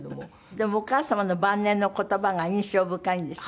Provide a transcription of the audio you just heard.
でもお母様の晩年の言葉が印象深いんですって？